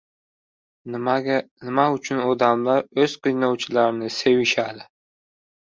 Nima uchun odamlar oʻz qiynovchlarini sevishadi?